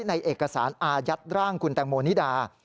เอกสารอายัดร่างคุณแตงโมนิดา